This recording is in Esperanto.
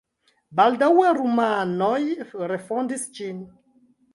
Baldaŭe rumanoj refondis ĝin.